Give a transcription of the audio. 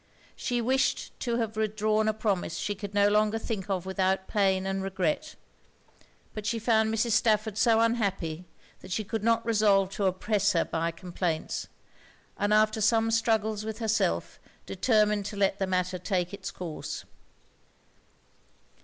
She wished to have withdrawn a promise she could no longer think of without pain and regret; but she found Mrs. Stafford so unhappy, that she could not resolve to oppress her by complaints; and after some struggles with herself, determined to let the matter take it's course.